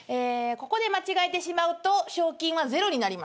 ここで間違えてしまうと賞金はゼロになります。